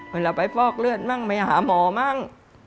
เวลาไปฟอกเลือดมั่งไปหาหมอมั่ง